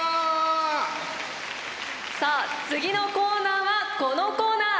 さあ次のコーナーはこのコーナー。